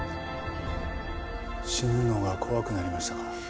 死ぬのが怖くなりましたか？